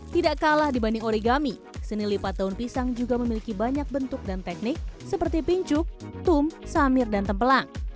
tidak kalah dibanding origami seni lipat daun pisang juga memiliki banyak bentuk dan teknik seperti pincuk tum samir dan tempelang